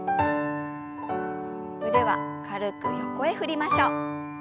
腕は軽く横へ振りましょう。